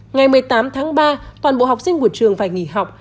ngày một mươi tám tháng ba toàn bộ học sinh của trường phải nghỉ học